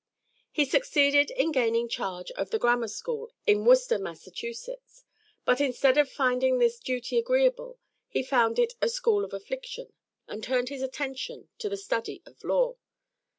He succeeded in gaining charge of the grammar school in Worcester, Massachusetts, but, instead of finding this duty agreeable, he found it 'a school of affliction,' and turned his attention to the study of law.